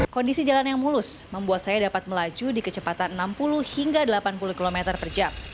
kondisi jalan yang mulus membuat saya dapat melaju di kecepatan enam puluh hingga delapan puluh km per jam